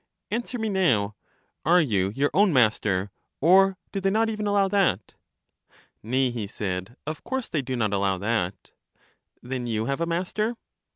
Answer me now: Are you your own master, or do they not even allow that? Nay, he said ; of course they do not allow that. Then you have a master?